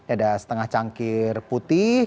ada setengah cangkir putih